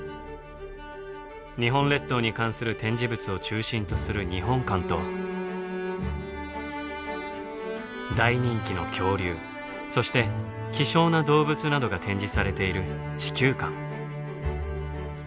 日本列島に関する展示物を中心とする日本館と大人気の恐竜そして希少な動物などが展示されている地球館。